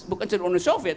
bukan cuman uni soviet